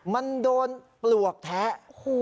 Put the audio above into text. มันโดนปลวกแท้